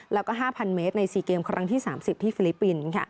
แล้วก็๕๐๐เมตรใน๔เกมครั้งที่๓๐ที่ฟิลิปปินส์